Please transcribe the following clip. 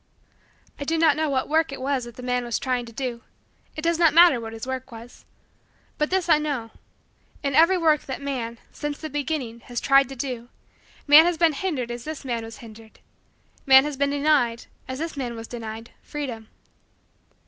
I do not know what work it was that the man was trying to do. It does not matter what his work was. But this I know: in every work that man, since the beginning, has tried to do, man has been hindered as this man was hindered man has been denied as this man was denied, freedom.